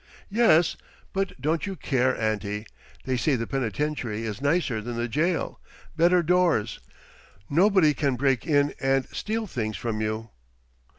"Yes, but don't you care, auntie. They say the penitentiary is nicer than the jail. Better doors. Nobody can break in and steal things from you."